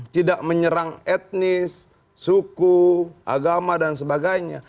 tidak menyerang etnis suku agama dan sebagainya